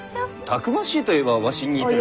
たくましいといえばわしに似とる。